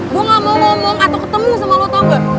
gue gak mau ngomong atau ketemu sama lo atau nggak